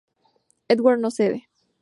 Edward no cede.